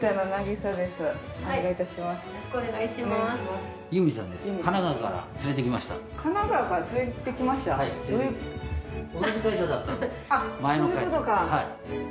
そういうことか。